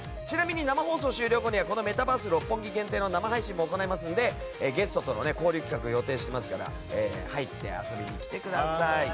この放送終了後にメタバース六本木限定の生配信も行いますのでゲストとの交流企画も予定しておりますので入って遊びに来てください。